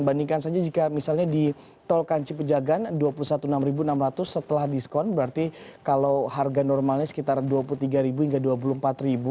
bandingkan saja jika misalnya di tol kanci pejagan rp dua puluh satu enam ratus setelah diskon berarti kalau harga normalnya sekitar rp dua puluh tiga hingga rp dua puluh empat